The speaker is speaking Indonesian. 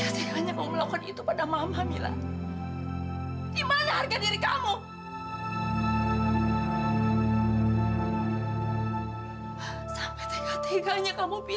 silakan ibu ke lidah rumah saya silakan ibu